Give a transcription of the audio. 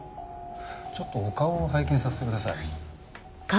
ちょっとお顔を拝見させてください。